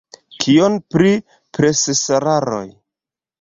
Kion pri preseraroj?